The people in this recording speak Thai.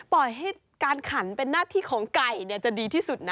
ปล่อยให้การขันเป็นหน้าที่ของไก่จะดีที่สุดนะ